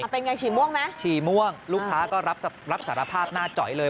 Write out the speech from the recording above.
เป็นไงฉี่ม่วงไหมฉี่ม่วงลูกค้าก็รับสารภาพหน้าจอยเลย